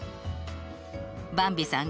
ばんびさん